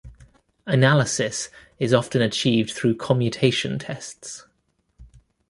Analysis is often achieved through commutation tests.